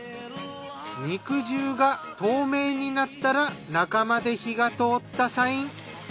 肉汁が透明になったら中まで火が通ったサイン。